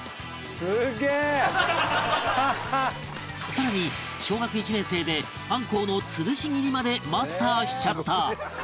更に小学１年生でアンコウの吊るし切りまでマスターしちゃった